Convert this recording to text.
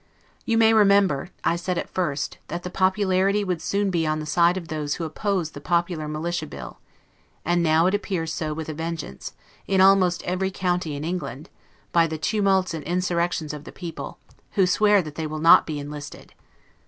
You may remember, I said at first, that the popularity would soon be on the side of those who opposed the popular Militia Bill; and now it appears so with a vengeance, in almost every county in England, by the tumults and insurrections of the people, who swear that they will not be enlisted.